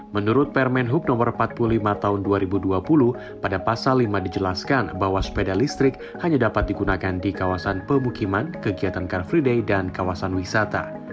menurut permen hub no empat puluh lima tahun dua ribu dua puluh pada pasal lima dijelaskan bahwa sepeda listrik hanya dapat digunakan di kawasan pemukiman kegiatan car free day dan kawasan wisata